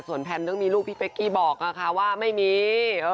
ส่วนแพลนเรื่องมีลูกพี่เป๊กกี้บอกนะคะว่าไม่มี